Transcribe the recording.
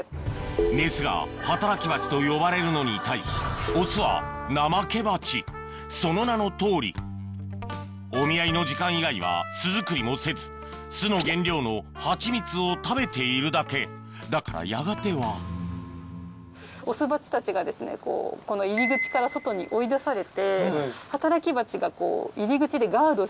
メスが「働きバチ」と呼ばれるのに対しその名のとおりお見合いの時間以外は巣作りもせず巣の原料のハチミツを食べているだけだからやがてはオスバチたちが入り口から外に追い出されて働きバチがこう。